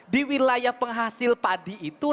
di wilayah penghasil padi itu